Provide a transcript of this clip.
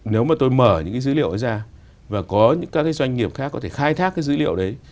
nếu mà tôi mở những cái dữ liệu ấy ra và có những các cái doanh nghiệp khác có thể khai thác cái dữ liệu đấy